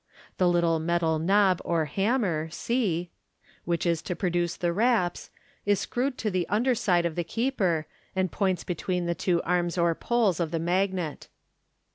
The little metal knob or hammer c, which is to produce the raps, is screwed to the under side of the keeper, and points between the two arms or poles of the magnet.